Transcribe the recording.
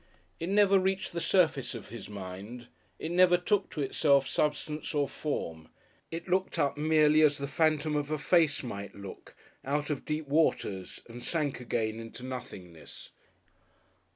It never reached the surface of his mind, it never took to itself substance or form, it looked up merely as the phantom of a face might look, out of deep waters, and sank again to nothingness.